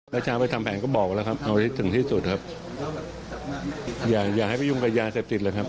แล้วเช้าไปทำแผนก็บอกแล้วครับเอาให้ถึงที่สุดครับอย่าอย่าให้ไปยุ่งกับยาเสพติดเลยครับ